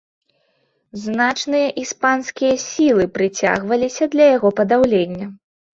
Значныя іспанскія сілы прыцягваліся для яго падаўлення.